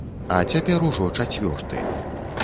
А цяпер ужо чацвёрты.